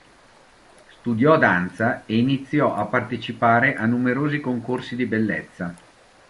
Studiò danza e iniziò a partecipare a numerosi concorsi di bellezza.